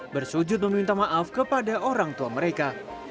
bersujud meminta maaf kepada orang tua mereka